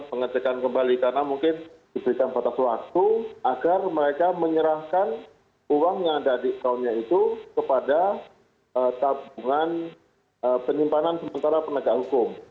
pengecekan kembali karena mungkin diberikan batas waktu agar mereka menyerahkan uang yang ada di tahunnya itu kepada tabungan penyimpanan sementara penegak hukum